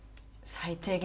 最低限。